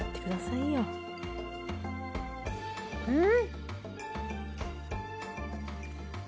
うん！